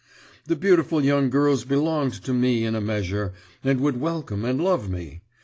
The beautiful young girls belonged to me in a measure, and would welcome and love me.